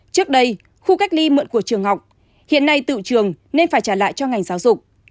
trước đây khu cách ly mượn của trường học hiện nay tự trường nên phải trả lại cho ngành giáo dục